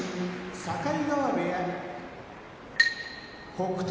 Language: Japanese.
境川部屋北勝